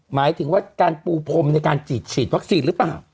หมายถึงว่าการปูพรมในการฉีดวัคซีนหรือเปล่า